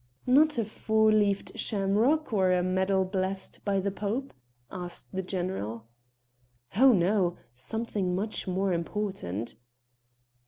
"Not a four leaved shamrock or a medal blessed by the pope?" asked the general. "Oh, no! something much more important."